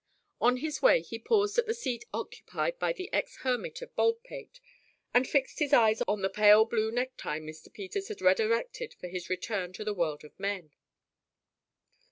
On his way he paused at the seat occupied by the ex hermit of Baldpate, and fixed his eyes on the pale blue necktie Mr. Peters had resurrected for his return to the world of men.